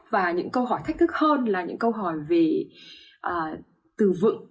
và những câu hỏi thách thức hơn là những câu hỏi về từ vựng